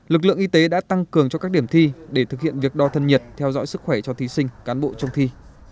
lực lượng y tế đã tăng cường cho các điểm thi để thực hiện việc đo thân nhiệt theo dõi sức khỏe cho thí sinh cán bộ trong thi